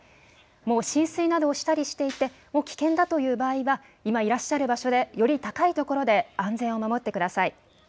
もう浸水などをしたりしていて、もう危険だという場合は、今いらっしゃる場所で、より高い所で安全を守ってください。